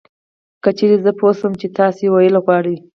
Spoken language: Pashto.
که چېرې زه سم پوه شوی یم تاسې ویل غواړی .